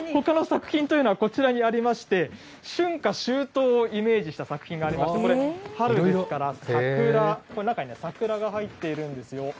ほかの作品というのがこちらにありまして、春夏秋冬をイメージした作品がありまして、これ、春ですと桜、中には桜が入っているんですよ。